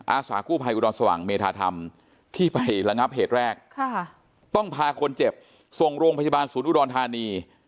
อาสากู้ภัยอุดรสว่างเมธาธรรมที่ไประงับเหตุแรกต้องพาคนเจ็บส่งโรงพยาบาลศูนย์อุดรธานี